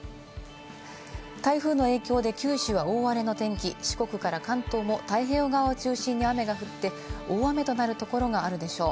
台風の影響で九州は大荒れの天気、四国から関東も太平洋側を中心に雨が降って大雨となるところがあるでしょう。